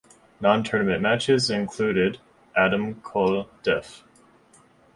"Non-Tournament matches included:" Adam Cole def.